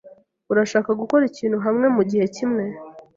Urashaka gukora ikintu hamwe mugihe kimwe?